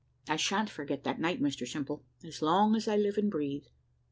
I shan't forget that night, Mr Simple, as long as I live and breathe.